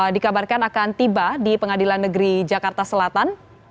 dikabarkan akan tiba di pengadilan negeri jakarta selatan